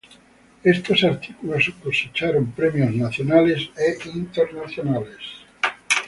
Estos artículos cosecharon premios nacionales e internacionales.